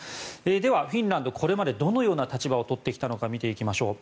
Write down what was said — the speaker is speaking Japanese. では、フィンランドはこれまでどのような立場を取ってきたのか見ていきましょう。